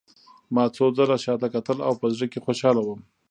ما څو ځله شا ته کتل او په زړه کې خوشحاله وم